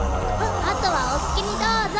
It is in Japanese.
あとはお好きにどうぞ！